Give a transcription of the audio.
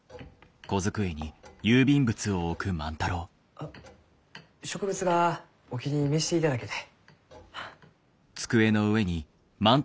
あ植物画お気に召していただけて。